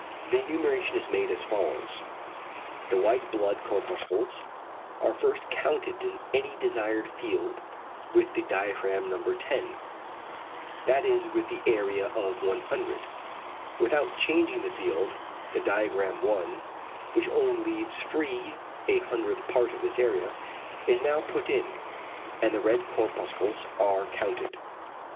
The enumeration is made as follows. The white blood corpuscles are first counted in any desired field with the diaphragm no. 10, that is with the area of 100. Without changing the field, the diaphragm 1, which only leaves free a hundredth part of this area, is now put in, and the red corpuscles are counted.